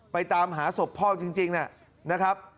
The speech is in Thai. ตามหาศพพ่อจริงนะครับ